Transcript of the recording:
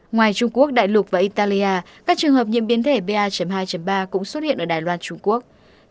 ngoài trung quốc đại lục và italia các trường hợp nhiễm biến thể ba hai ba cũng xuất hiện ở đài loan trung quốc